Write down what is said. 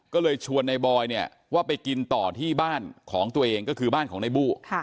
ก็เลยชวนในบอยเนี่ยว่าไปกินต่อที่บ้านของตัวเองก็คือบ้านของในบู้